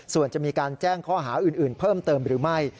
ส่วนจะมีการแจ้งข้อหาอื่นเพิ่มเติมหรือไม่